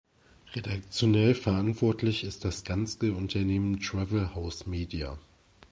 Redaktionell verantwortlich ist das Ganske-Unternehmen Travel House Media.